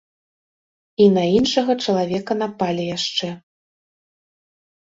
І на іншага чалавека напалі яшчэ.